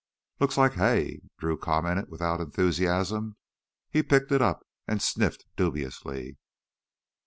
"Looks like hay," Drew commented without enthusiasm. He picked it up and sniffed dubiously.